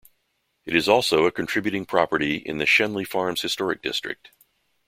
It is also a contributing property in the Schenley Farms Historic District.